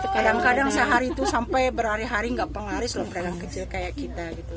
kadang kadang sehari itu sampai berhari hari nggak pengaris loh pedagang kecil kayak kita gitu